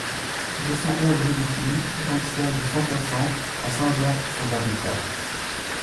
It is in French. deux cent onze rue du Plis, soixante-seize, cent soixante à Saint-Jacques-sur-Darnétal